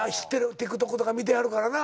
ＴｉｋＴｏｋとか見てはるからな。